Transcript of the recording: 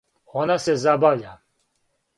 Она се забавља.